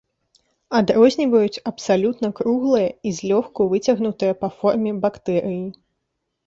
Адрозніваюць абсалютна круглыя і злёгку выцягнутыя па форме бактэрыі.